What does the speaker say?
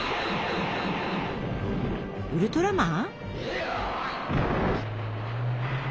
ウルトラマン？